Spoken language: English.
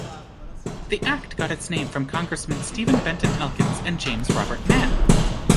The Act got its name from congressmen Stephen Benton Elkins and James Robert Mann.